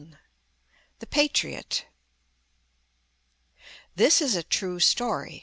THE PATRIOT This is a true story.